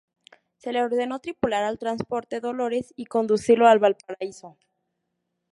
Se le ordenó tripular al transporte Dolores y conducirlo a Valparaíso.